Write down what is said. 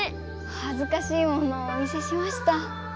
はずかしいものをお見せしました。